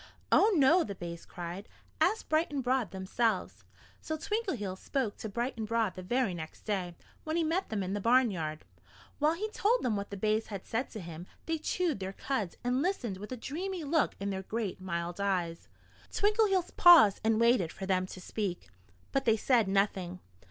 "Oh, no!" the bays cried. "Ask Bright and Broad themselves." So Twinkleheels spoke to Bright and Broad the very next day, when he met them in the barnyard. While he told them what the bays had said to him they chewed their cuds and listened with a dreamy look in their great, mild eyes. Twinkleheels paused and waited for them to speak. But they said nothing.